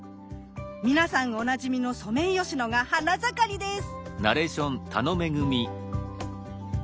皆さんおなじみのソメイヨシノが花盛りです。